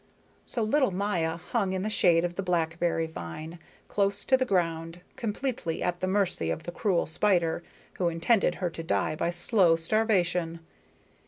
So little Maya hung in the shade of the blackberry vine, close to the ground, completely at the mercy of the cruel spider, who intended her to die by slow starvation.